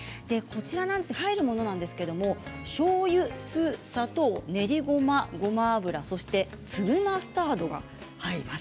こちらに入るものしょうゆ、お酢、砂糖練りごま、ごま油そして粒マスタード。